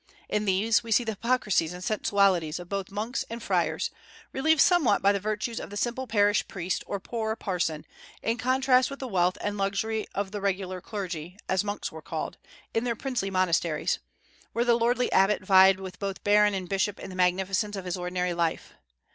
In these we see the hypocrisies and sensualities of both monks and friars, relieved somewhat by the virtues of the simple parish priest or poor parson, in contrast with the wealth and luxury of the regular clergy, as monks were called, in their princely monasteries, where the lordly abbot vied with both baron and bishop in the magnificence of his ordinary life.